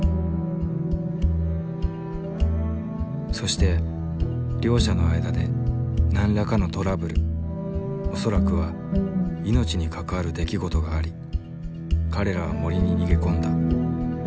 そして両者の間で何らかのトラブル恐らくは命に関わる出来事があり彼らは森に逃げ込んだ。